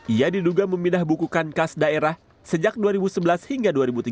ia diduga memindah buku kankas daerah sejak dua ribu sebelas hingga dua ribu tiga belas